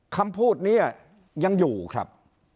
คำพูดนี้ยังอยู่ครับ